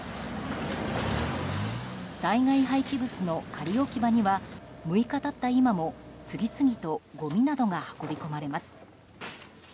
災害廃棄物の仮置き場には６日経った今も次々とごみなどが運び込まれます。